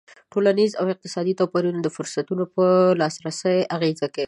ټولنیز او اقتصادي توپیرونه د فرصتونو پر لاسرسی اغېز کوي.